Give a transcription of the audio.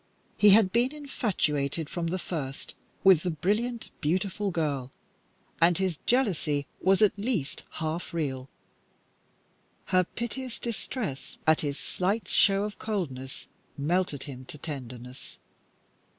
He had been infatuated from the first with the brilliant, beautiful girl, and his jealousy was at least half real, Her piteous distress at his slight show of coldness melted him to tenderness.